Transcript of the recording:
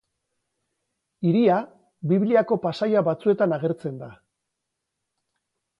Hiria, Bibliako pasaia batzuetan agertzen da.